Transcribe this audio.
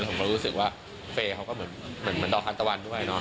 แล้วผมก็รู้สึกว่าเฟย์เขาก็เหมือนดอกทานตะวันด้วยนะ